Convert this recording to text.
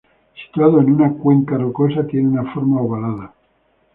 Situado en una cuenca rocosa, tiene una forma ovalada.